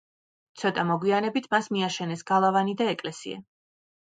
ცოტა მოგვიანებით მას მიაშენეს გალავანი და ეკლესია.